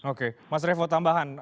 oke mas rev mau tambahan